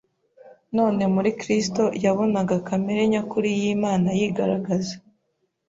None muri Kristo yabonaga kamere nyakuri y’Imana yigaragaza